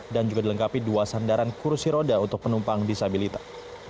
dan juga dilengkapi dua sandaran kursi roda untuk penumpang disabilitas